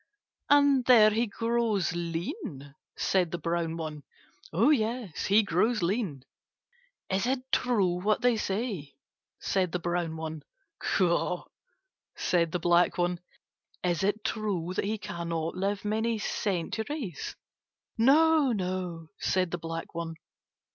"And there he grows lean?" said the brown one. "Yes, he grows lean." "Is it true what they say?" said the brown one. "Caw," said the black one. "Is it true that he cannot live many centuries?" "No, no," said the black one.